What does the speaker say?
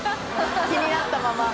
気になったまま。